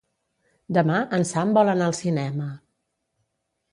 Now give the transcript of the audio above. Demà en Sam vol anar al cinema.